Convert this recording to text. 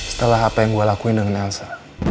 setelah apa yang gue lakuin dengan elsa